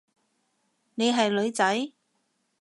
你係女仔？